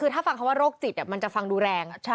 คือถ้าฟังคำว่าโรคจิตมันจะฟังดูแรง